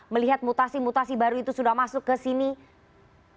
melihat mutasi mutasi baru itu sudah masuk ke sini